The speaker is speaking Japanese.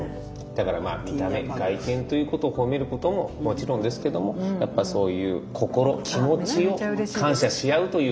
だからまあ外見ということを褒めることももちろんですけどもやっぱそういう心気持ちを感謝し合うということが。